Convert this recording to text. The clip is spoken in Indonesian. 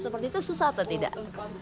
seperti itu susah atau tidak